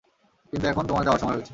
কিন্তু এখন তোমার যাওয়ার সময় হয়েছে।